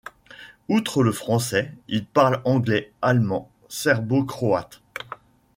Outre le français, il parle anglais, allemand, serbo-croate.